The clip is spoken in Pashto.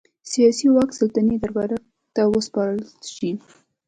سیاسي واک سلطنتي دربار ته وسپارل شي.